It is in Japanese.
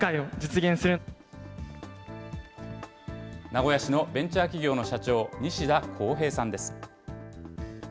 名古屋市のベンチャー企業の社長、西田宏平さんです。